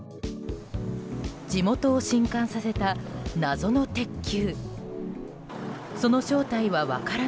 地元を震撼させた謎の鉄球。